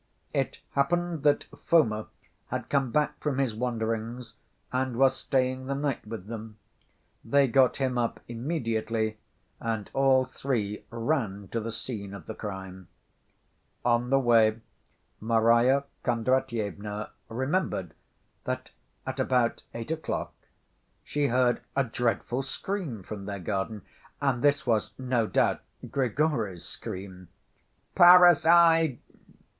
It happened that Foma had come back from his wanderings and was staying the night with them. They got him up immediately and all three ran to the scene of the crime. On the way, Marya Kondratyevna remembered that at about eight o'clock she heard a dreadful scream from their garden, and this was no doubt Grigory's scream, "Parricide!"